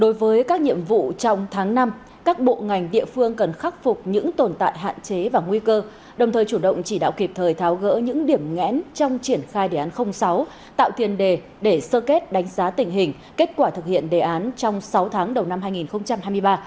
đối với các nhiệm vụ trong tháng năm các bộ ngành địa phương cần khắc phục những tồn tại hạn chế và nguy cơ đồng thời chủ động chỉ đạo kịp thời tháo gỡ những điểm ngẽn trong triển khai đề án sáu tạo tiền đề để sơ kết đánh giá tình hình kết quả thực hiện đề án trong sáu tháng đầu năm hai nghìn hai mươi ba